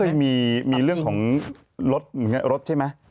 เมื่อก่อนไม่เคยมีเรื่องของรถใช่ไหม